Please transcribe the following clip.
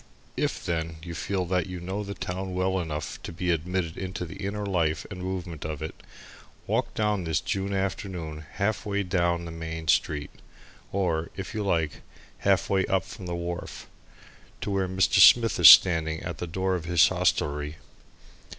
If, then, you feel that you know the town well enough to be admitted into the inner life and movement of it, walk down this June afternoon half way down the Main Street or, if you like, half way up from the wharf to where Mr. Smith is standing at the door of his hostelry.